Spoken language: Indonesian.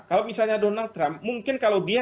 kalau misalnya donald trump mungkin kalau dia